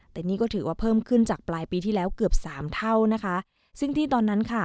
แต่นี่ก็ถือว่าเพิ่มขึ้นจากปลายปีที่แล้วเกือบสามเท่านะคะซึ่งที่ตอนนั้นค่ะ